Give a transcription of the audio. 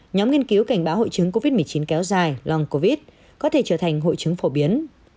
nhóm nghiên cứu cảnh báo hội chứng covid một mươi chín kéo dài lòng covid có thể trở thành hội chứng phổ biến